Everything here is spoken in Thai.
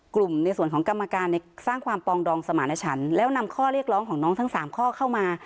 กลุ่มในส่วนของกรรมการสร้างความปองดองสมารณชันแล้วนำข้อเรียกร้องของน้องทั้ง๓ข้อเข้ามา